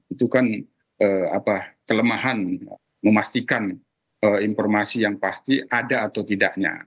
itu kan kelemahan memastikan informasi yang pasti ada atau tidaknya